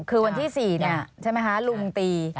คือวันที่สี่เนี่ยใช่ไหมคะลุงตี